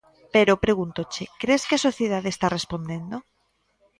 Pero, pregúntoche: Cres que a sociedade está respondendo?